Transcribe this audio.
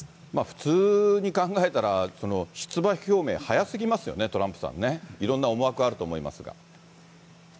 普通に考えたら、出馬表明、早すぎますよね、トランプさんね、いろんな思惑あると思いますが。